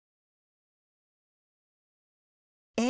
え？